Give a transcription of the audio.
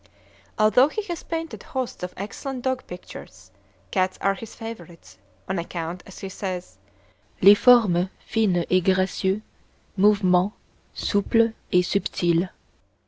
Although he has painted hosts of excellent dog pictures, cats are his favorites, on account, as he says, of "les formes fines et gracieux; mouvements, souple et subtil."